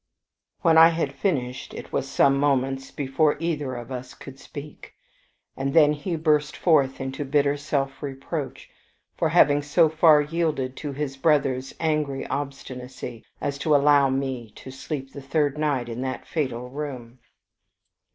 When I had finished, it was some moments before either of us could speak; and then he burst forth into bitter self reproach for having so far yielded to his brother's angry obstinacy as to allow me to sleep the third night in that fatal room.